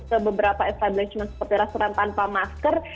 masuk ke beberapa establishment seperti rasulullah saw tanpa masker